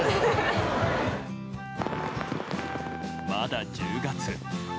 まだ１０月。